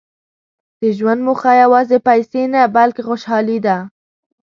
• د ژوند موخه یوازې پیسې نه، بلکې خوشالي ده.